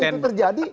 kalau itu terjadi